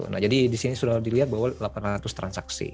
nah jadi disini sudah dilihat bahwa delapan ratus transaksi